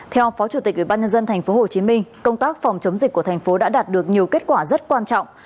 theo phó chủ tịch ủy ban nhân dân tp hcm công tác phòng chống dịch của thành phố đã đạt được nhiều kết quả rất quan trọng